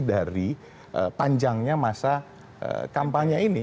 dari panjangnya masa kampanye ini